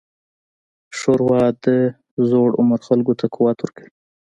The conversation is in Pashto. ښوروا د زوړ عمر خلکو ته قوت ورکوي.